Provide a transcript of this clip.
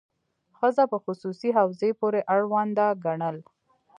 ښځه په خصوصي حوزې پورې اړونده ګڼل.